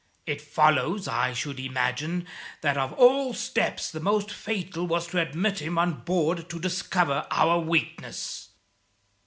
It follows, I should imagine, that of all steps the most fatal was to admit him on board to discover our weakness."